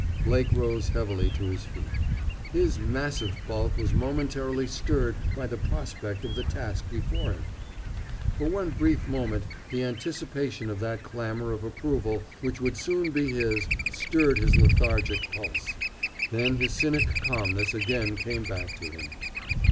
Blake rose heavily to his feet. His massive bulk was momentarily stirred by the prospect of the task before him. For one brief moment the anticipation of that clamor of approval which would soon be his stirred his lethargic pulse. Then his cynic calmness again came back to him.